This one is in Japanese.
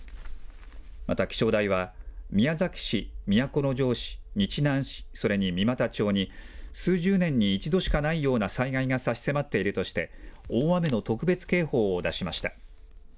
また、気象台は、宮崎市、都城市、日南市、それに三股町に、数十年に一度しかないような災害が差し迫っているとして、大雨の特別警報を出しました。